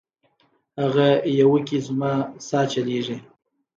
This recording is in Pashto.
هغه یوه کي زما سا چلیږي